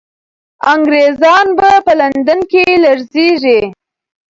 انګریزان به په لندن کې لړزېږي.